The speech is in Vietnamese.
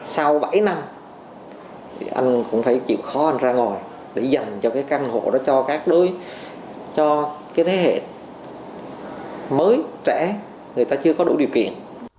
sau bảy năm anh cũng phải chịu khó anh ra ngồi để dành cho cái căn hộ đó cho các đối cho cái thế hệ mới trẻ người ta chưa có đủ điều kiện